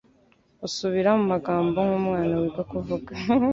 Usubira mu magambo nk'umwana wiga kuvuga.